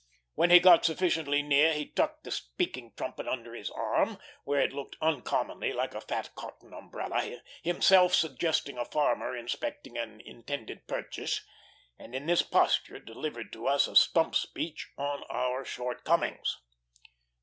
When he got sufficiently near he tucked the speaking trumpet under his arm, where it looked uncommonly like a fat cotton umbrella, himself suggesting a farmer inspecting an intended purchase, and in this posture delivered to us a stump speech on our shortcomings.